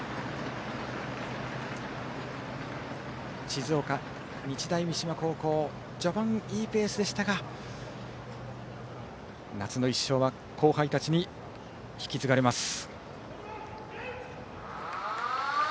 静岡・日大三島序盤いいペースでしたが夏の１勝は後輩たちに引き継がれます。